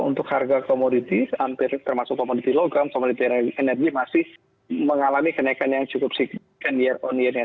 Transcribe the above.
untuk harga komoditi termasuk komoditi logam komoditi energi masih mengalami kenaikan yang cukup signifikan year on year nya